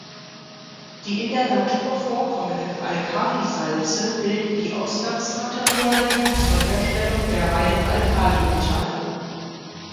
Die in der Natur vorkommenden Alkalisalze bilden die Ausgangsmaterialien zur Herstellung der reinen Alkalimetalle.